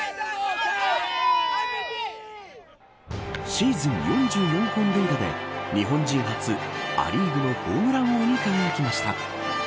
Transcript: シーズン４４本、本塁打で日本人初、ア・リーグのホームラン王に輝きました。